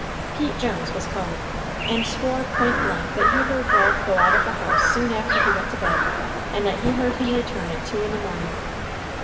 Pete Jones was called, and swore point blank that he heard Ralph go out of the house soon after he went to bed, and that he heard him return at two in the morning.